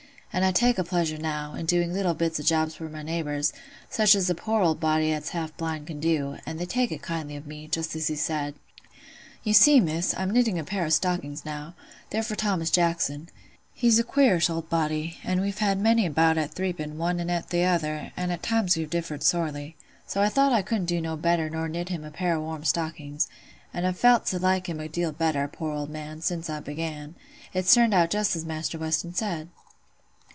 an' I take a pleasure, now, in doing little bits o' jobs for my neighbours—such as a poor old body 'at's half blind can do; and they take it kindly of me, just as he said. You see, Miss, I'm knitting a pair o' stockings now;—they're for Thomas Jackson: he's a queerish old body, an' we've had many a bout at threaping, one anent t'other; an' at times we've differed sorely. So I thought I couldn't do better nor knit him a pair o' warm stockings; an' I've felt to like him a deal better, poor old man, sin' I began. It's turned out just as Maister Weston said."